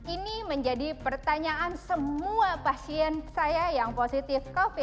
ini menjadi pertanyaan semua pasien saya yang positif covid sembilan belas